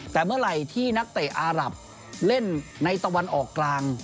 แต่เมื่อไหร่ที่นักเตะอารับเล่นในตะวันออกกลาง